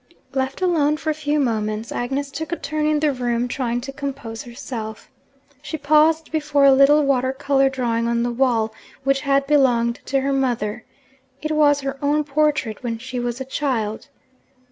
Left alone for a few moments, Agnes took a turn in the room, trying to compose herself. She paused before a little water colour drawing on the wall, which had belonged to her mother: it was her own portrait when she was a child.